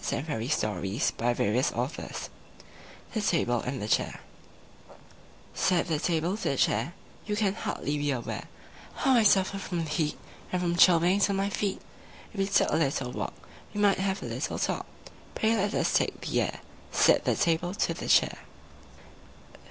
EDWARD LEAR THE TABLE AND THE CHAIR I Said the Table to the Chair, "You can hardly be aware How I suffer from the heat And from chilblains on my feet. If we took a little walk, We might have a little talk; Pray let us take the air," Said the Table to the Chair.